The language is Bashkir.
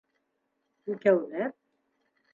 Икәүләп